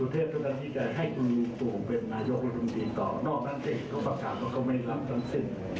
ขอบคุณสุทธิ์ท่านที่จะให้คุณลูกตัวผมเป็นนายกอุทธิ์ต่อนอกนั้นที่เขาประกาศแล้วเขาไม่รับทั้งสิ้น